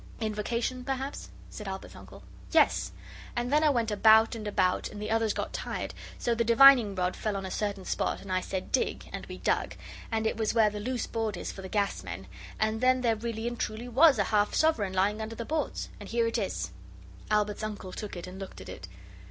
'Invocation perhaps?' said Albert's uncle. 'Yes; and then I went about and about and the others got tired, so the divining rod fell on a certain spot, and I said, "Dig", and we dug it was where the loose board is for the gas men and then there really and truly was a half sovereign lying under the boards, and here it is.' Albert's uncle took it and looked at it.